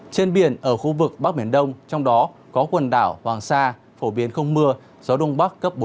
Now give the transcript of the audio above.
trên biển ở khu vực bắc biển đông trong đó có quần đảo hoàng sa phổ biến không mưa gió đông bắc cấp bốn